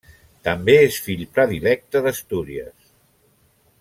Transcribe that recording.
També és fill predilecte d'Astúries.